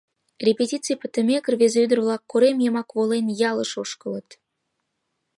Репетиций пытымек, рвезе-ӱдыр-влак, корем йымак волен, ялыш ошкылын.